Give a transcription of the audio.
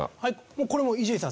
これも伊集院さん